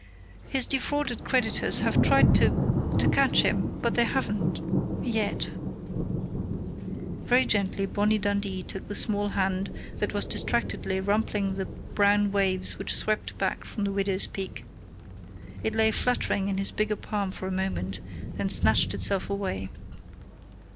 His defrauded creditors here have tried to to catch him, but they haven't yet " Very gently Bonnie Dundee took the small hand that was distractedly rumpling the brown waves which swept back from the widow's peak. It lay fluttering in his bigger palm for a moment, then snatched itself away.